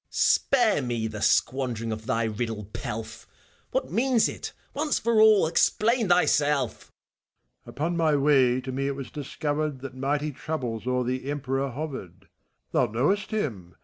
Spare me the squandering of thy riddle pelf I What means it, once for all f Explain thyself ! MKPHISTOPHELES. Upon my way, to me it was discoiwred That mighty troubles o'er the Emperor horered : Thou knowest him.